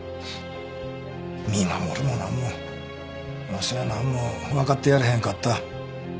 見守るもなんもわしはなんもわかってやれへんかった。